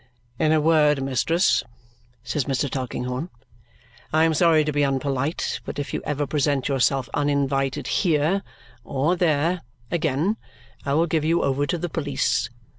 "In a word, mistress," says Mr. Tulkinghorn, "I am sorry to be unpolite, but if you ever present yourself uninvited here or there again, I will give you over to the police.